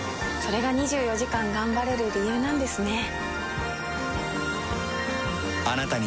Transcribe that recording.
れが２４時間頑張れる理由なんですね。